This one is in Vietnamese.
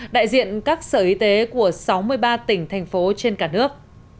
đại diện các sở y tế của sáu mươi ba tỉnh thành phố trên cả nước